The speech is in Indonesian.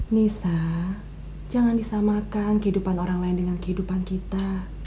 nisa jangan disamakan kehidupan orang lain dengan kehidupan kita